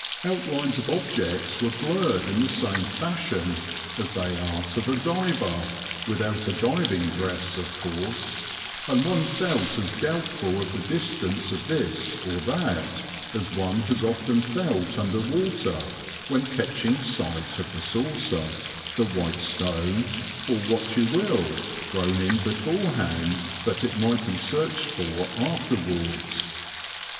Outlines of objects were blurred in the same fashion as they are to the diver (without a diving dress of course), and one felt as doubtful of the distance of this or that as one has often felt under water when catching sight of the saucer, the white stone, or what you will, thrown in beforehand that it might be searched for afterwards.